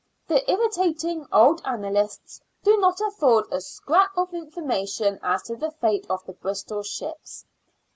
The irritating old annalists do not afford a scrap of information as to the fate of the Bristol ships.